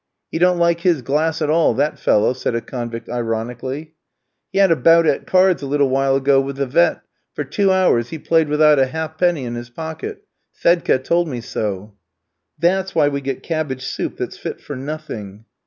"He don't like his glass at all, that fellow," said a convict ironically. "He had a bout at cards a little while ago with the vet; for two hours he played without a half penny in his pocket. Fedka told me so." "That's why we get cabbage soup that's fit for nothing."